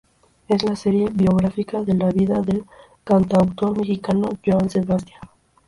Es la serie biográfica de la vida del cantautor mexicano Joan Sebastian.